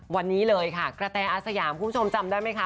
วันนี้เลยค่ะกระแตอาสยามคุณผู้ชมจำได้ไหมคะ